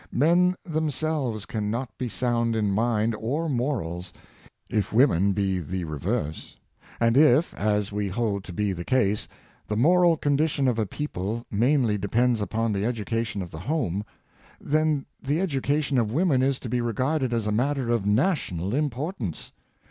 Men themselves can not be sound in mind or morals if women be the re verse; and if, as we hold to be the case, the moral con dition of a people mainly depends upon the education of the home, then the education of women is to be regarded as a matter of national importance.